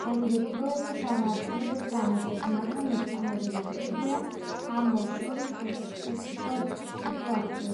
ორივე პროექტი თანაარსებობას განაგრძობს, მაგრამ ესპანური ვიკიპედია ამ ორს შორის უსიტყვოდ უფრო აქტიურია.